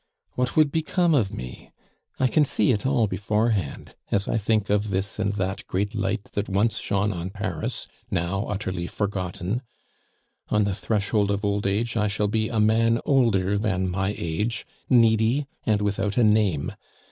What would become of me? I can see it all beforehand, as I think of this and that great light that once shone on Paris, now utterly forgotten. On the threshold of old age I shall be a man older than my age, needy and without a name.